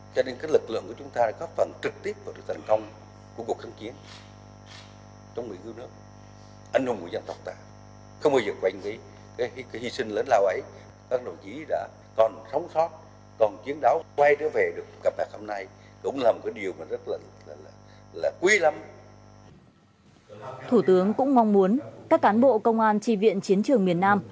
thủ tướng cũng mong muốn các cán bộ công an tri viện chiến trường miền nam